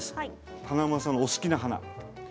華丸さんのお好きな花。